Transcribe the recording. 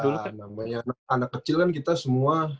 dulu ya namanya anak kecil kan kita semua